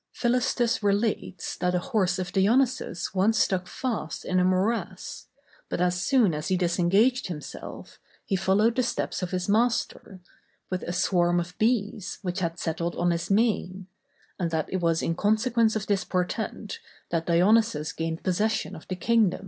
Philistus relates, that a horse of Dionysius once stuck fast in a morass, but as soon as he disengaged himself, he followed the steps of his master, with a swarm of bees, which had settled on his mane; and that it was in consequence of this portent, that Dionysius gained possession of the kingdom.